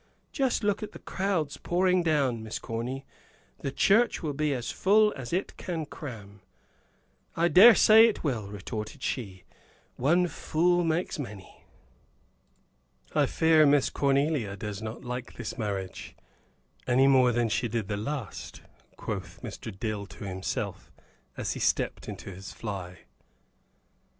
"Just look at the crowds pouring down, Miss Corny; the church will be as full as it can cram." "I dare say it will," retorted she. "One fool makes many." "I fear Miss Cornelia does not like this marriage, any more than she did the last," quoth Mr. Dill to himself as he stepped into his fly.